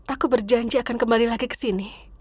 aku berjanji akan kembali lagi ke sini